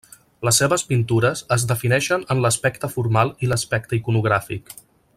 Les seves pintures es defineixen en l'aspecte formal i l'aspecte iconogràfic.